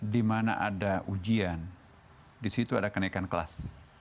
di mana ada ujian di situ ada kenaikan kelas